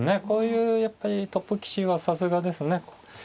こういうやっぱりトップ棋士はさすがですね。